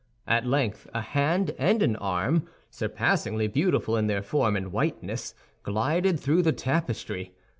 At length a hand and an arm, surpassingly beautiful in their form and whiteness, glided through the tapestry.